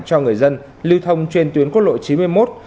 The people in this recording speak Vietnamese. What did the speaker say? cho người dân lưu thông trên tuyến quốc lộ chín mươi một